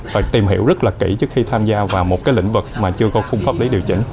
phải tìm hiểu rất là kỹ trước khi tham gia vào một cái lĩnh vực mà chưa có khung pháp lý điều chỉnh